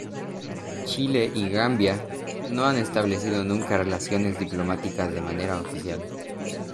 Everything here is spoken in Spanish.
Chile y Gambia no han establecido nunca relaciones diplomáticas de manera oficial.